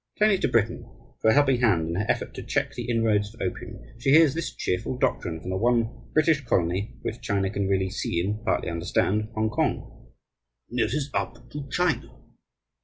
Turning to Britain for a helping hand in her effort to check the inroads of opium, she hears this cheerful doctrine from the one British colony which China can really see and partly understand, Hongkong "It is up to China."